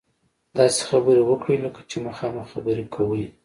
داسې خبرې وکړئ لکه چې مخامخ خبرې کوئ.